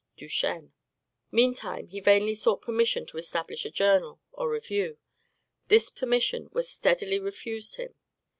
Duchene. Meantime, he vainly sought permission to establish a journal, or review. This permission was steadily refused him.